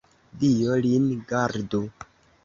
Dio lin gardu!